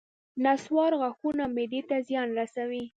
نصوار غاښونو او معدې ته زیان رسوي